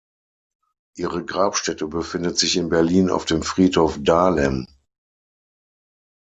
Ihre Grabstätte befindet sich in Berlin auf dem Friedhof Dahlem.